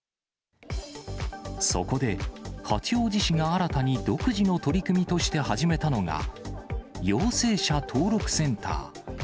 そこで八王子市が新たに独自の取り組みとして始めたのが、陽性者登録センター。